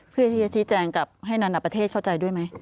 เพื่อที่จะชี้แจงกับให้นานาประเทศเข้าใจด้วยไหม